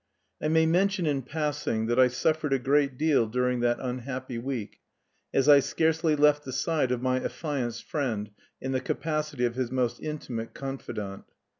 I may mention in passing that I suffered a great deal during that unhappy week, as I scarcely left the side of my affianced friend, in the capacity of his most intimate confidant.